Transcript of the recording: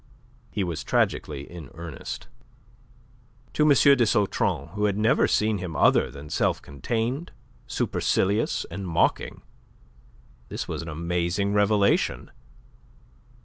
He was tragically in earnest. To M. de Sautron, who had never seen him other than self contained, supercilious, and mocking, this was an amazing revelation.